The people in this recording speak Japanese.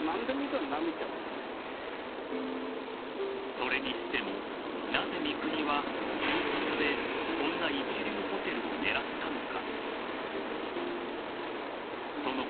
それにしても、なぜ三國は中卒でこんな一流ホテルを狙ったのか。